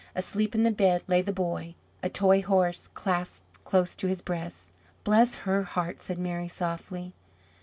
Asleep in the bed lay the boy, a toy horse clasped close to his breast. "Bless her heart!" said Mary, softly.